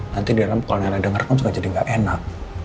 nanti di dalam kalau nailah dengar kamu suka jadi gak enak